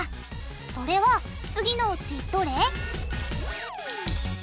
それは次のうちどれ？